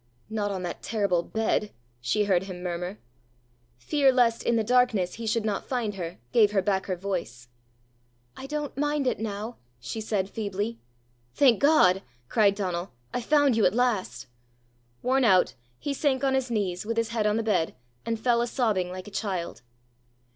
"Not on that terrible bed!" she heard him murmur. Fear lest in the darkness he should not find her, gave her back her voice. "I don't mind it now!" she said feebly. "Thank God!" cried Donal; "I've found you at last!" Worn out, he sank on his knees, with his head on the bed, and fell a sobbing like a child.